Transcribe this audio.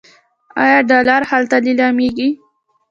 آیا ډالر هلته لیلامیږي؟